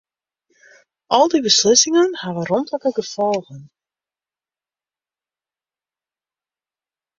Al dy beslissingen hawwe romtlike gefolgen.